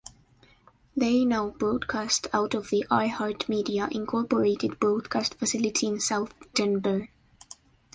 They now broadcast out of the iHeartMedia, Incorporated broadcast facility in south Denver.